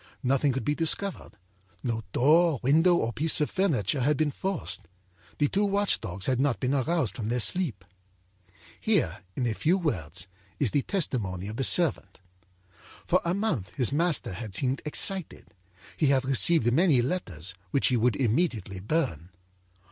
Nothing could be discovered. No door, window or piece of furniture had been forced. The two watch dogs had not been aroused from their sleep. âHere, in a few words, is the testimony of the servant: âFor a month his master had seemed excited. He had received many letters, which he would immediately burn.